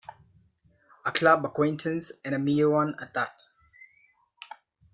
A club acquaintance, and a mere one at that.